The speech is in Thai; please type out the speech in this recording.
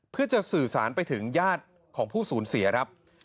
เพื่อจะสื่อสารไปถึงญาติของผู้สูญเสียครับ